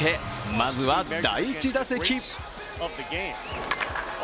まずは第１打席。